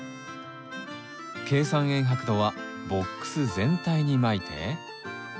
珪酸塩白土はボックス全体にまいて。